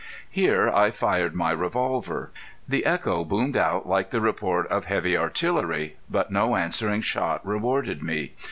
Here I fired my revolver. The echo boomed out like the report of heavy artillery, but no answering shot rewarded me.